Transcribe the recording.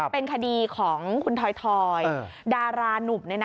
เป็นคดีของคุณทอยดารานุ่ม